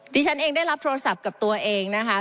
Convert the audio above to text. ดิฉันเองได้รับโทรศัพท์กับตัวเองนะคะ